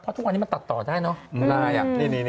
เพราะทุกวันนี้มันตัดต่อได้เนอะลาย